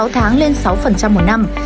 chín tháng lên sáu một một năm